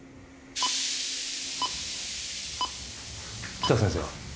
北先生は？